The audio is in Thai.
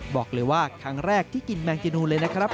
บอกเลยว่าครั้งแรกที่กินแมงจีนูเลยนะครับ